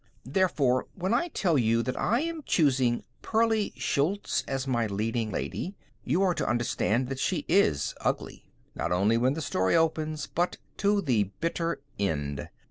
Therefore, when I tell you that I am choosing Pearlie Schultz as my leading lady you are to understand that she is ugly, not only when the story opens, but to the bitter end.